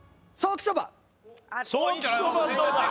ソーキそばどうだ？